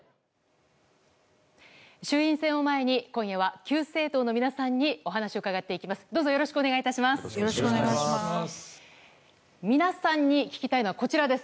衆院選を前に今夜は９政党の皆さんにお話を伺っていきます。